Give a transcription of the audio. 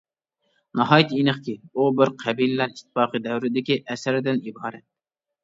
ناھايىتى ئېنىقكى، ئۇ بىر قەبىلىلەر ئىتتىپاقى دەۋرىدىكى ئەسەردىن ئىبارەت.